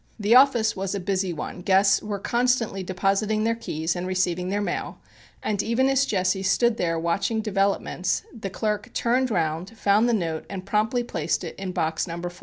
The office was a busy one, guests were constantly depositing their keys and receiving their mail, and, even as Jesse stood there watching developments, the clerk turned round, found the note and promptly placed it in box Number 420.